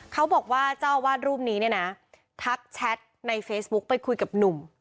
เขาบอกว่าเจ้าอาวาสรูปนี้เนี่ยนะทักแชทในเฟซบุ๊คไปคุยกับหนุ่ม